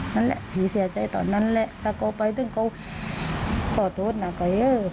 นั่นแหละพี่เสียใจตอนนั้นแหละถ้าเขาไปถึงเขาขอโทษนะก็เยอะ